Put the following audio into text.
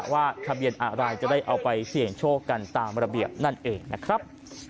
ว่าทะเบียนอะไรจะได้เอาไปเสี่ยงโชคกันตามระเบียบนั่นเองนะครับ